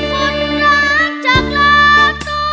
คุณรักจากหลากตัวฉะนั้น